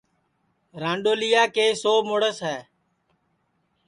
رانڈؔولیا کے سو مُڑس ہے